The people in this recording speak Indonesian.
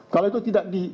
kalau itu tidak dikawal